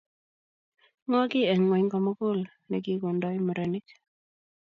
Ngoki eng ngwony komugul née kikondoi murenik